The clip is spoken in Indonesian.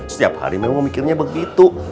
setiap hari memang mikirnya begitu